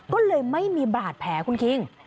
ก็เลยไม่มีบาดแผลคุณคิง